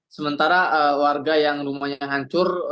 sementara warga yang rumahnya hancur